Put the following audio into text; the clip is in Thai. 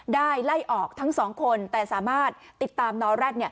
ได้ไล่ออกทั้งสองคนแต่สามารถติดตามนอแร็ด